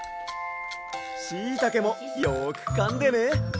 しいたけもよくかんでね。